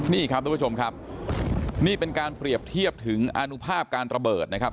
นี่ครับทุกผู้ชมครับนี่เป็นการเปรียบเทียบถึงอนุภาพการระเบิดนะครับ